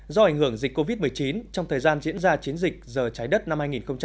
do ảnh hưởng dịch covid một mươi chín trong thời gian diễn ra chiến dịch giờ trái đất năm hai nghìn hai mươi